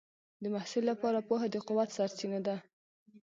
د محصل لپاره پوهه د قوت سرچینه ده.